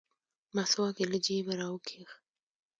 مسواک يې له جيبه راوکيښ.